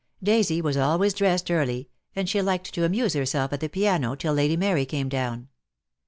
Daisy was always dressed early, and she liked to amuse herself at the piano till Lady Mary came down.